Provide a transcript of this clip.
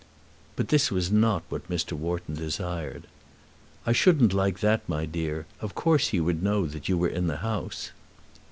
But this was not what Mr. Wharton desired. "I shouldn't like that, my dear. Of course he would know that you were in the house."